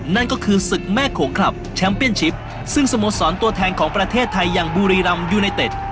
นั่นก็คือศึกแม่โขงคลับแชมป์เปียนชิปซึ่งสโมสรตัวแทนของประเทศไทยอย่างบุรีรำยูไนเต็ด